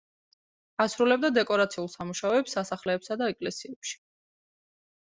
ასრულებდა დეკორაციულ სამუშაოებს სასახლეებსა და ეკლესიებში.